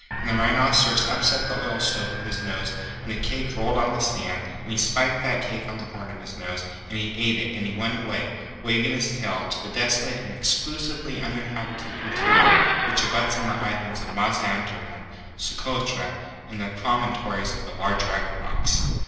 And the Rhinoceros upset the oil stove with his nose, and the cake rolled on the sand, and he spiked that cake on the horn of his nose, and he ate it, and he went away, waving his tail, to the desolate and Exclusively Uninhabited Interior which abuts on the islands of Mazanderan, Socotra, and Promontories of the Larger Equinox.